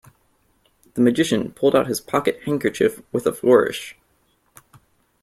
The magician pulled out his pocket handkerchief with a flourish.